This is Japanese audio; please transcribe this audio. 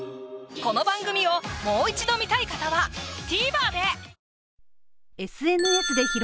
この番組をもう一度観たい方はＴＶｅｒで！